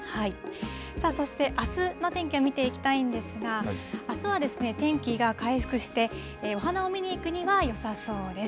さあ、そしてあすの天気を見ていきたいんですが、あすは天気が回復して、お花を見に行くにはよさそうです。